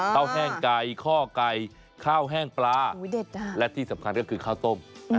แห้งไก่ข้อไก่ข้าวแห้งปลาและที่สำคัญก็คือข้าวต้ม